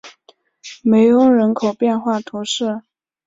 梅翁人口变化图示